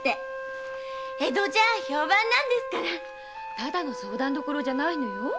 ただの「相談処」じゃないのよ。